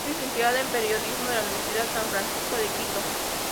Es licenciado en periodismo de la Universidad San Francisco de Quito.